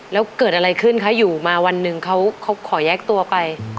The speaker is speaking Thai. แล้วเกิดอะไรขึ้นคะอยู่มาวันหนึ่งเขาขอแยกตัวไป